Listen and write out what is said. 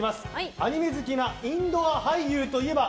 アニメ好きなインドア俳優といえば？